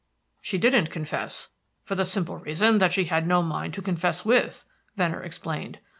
"She didn't confess, for the simple reason that she had no mind to confess with," Venner explained.